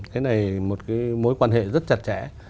cái này một cái mối quan hệ rất chặt chẽ